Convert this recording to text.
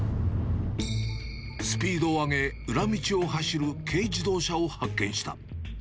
スピードを上げ、裏道を走る軽自動車を発見した。